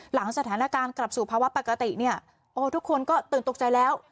หลังสถานการณ์กลับสู่ภาวะปกติเนี่ยโอ้ทุกคนก็ตื่นตกใจแล้ว